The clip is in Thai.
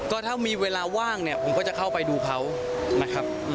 ก็ถ้ามีเวลาว่างเนี่ยผมก็จะเข้าไปดูเขานะครับ